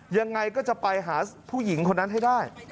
ยังไงก็จะไปหาผู้หญิงคนนั้นให้ได้